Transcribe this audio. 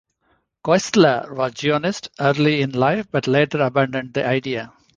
Koestler was Zionist early in life, but later abandoned the idea.